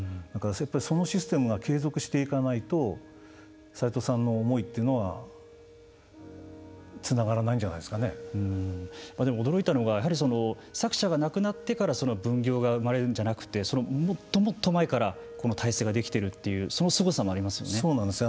そのシステムが継続していかないとさいとうさんの思いというのはでも、驚いたのが作者が亡くなってから分業が生まれるんじゃなくてもっともっと前からこの体制ができているそのすごさもありますよね。